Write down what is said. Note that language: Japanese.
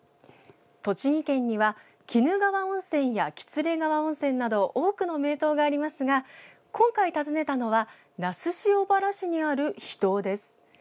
栃木県には、鬼怒川温泉や喜連川温泉など多くの名湯がありますが今回、訪ねたのは那須塩原市にある秘湯です。